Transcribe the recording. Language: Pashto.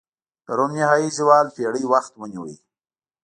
د روم نهايي زوال پېړۍ وخت ونیوه.